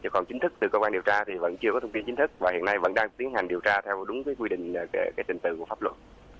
còn chính thức từ cơ quan điều tra thì vẫn chưa có thông tin chính thức và hiện nay vẫn đang tiến hành điều tra theo đúng quy định trình tự của pháp luật